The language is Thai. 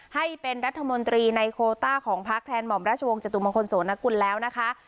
ให้เป็นรัฐมนตรีในโคต้าของพักแทนหม่อมราชวงศ์จตุมงคลโสนกุลแล้วนะคะ